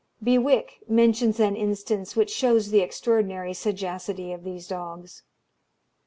Bewick mentions an instance which shows the extraordinary sagacity of these dogs.